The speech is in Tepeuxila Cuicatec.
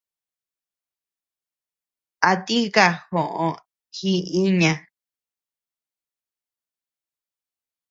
A tika joʼo ji iña.